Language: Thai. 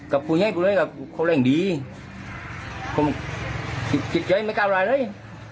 ก็พูดง่ายกับเค้าแหล่งดีเค้าติดใจไม่กล้าอะไรเลย